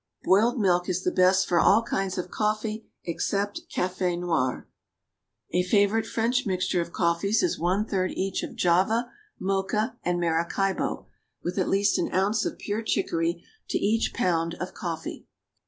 Boiled milk is the best for all kinds of coffee except café noir. A favorite French mixture of coffees is one third each of Java, Mocha, and Maracaibo, with at least an ounce of pure chicory to each pound of coffee.